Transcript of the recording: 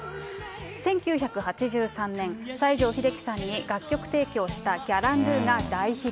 １９８３年、西城秀樹さんに楽曲提供したギャランドゥが大ヒット。